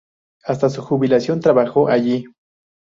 Hasta su jubilación trabajó allí.